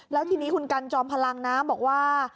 แล้วทีนี้คุณกันจอมพลังนะบอกว่า